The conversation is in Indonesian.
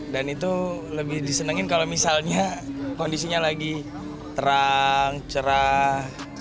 dan itu lebih disenangin kalau misalnya kondisinya lagi terang cerah